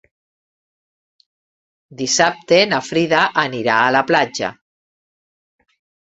Dissabte na Frida anirà a la platja.